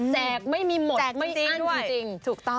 แจกไม่มีหมดไม่อั้นจริง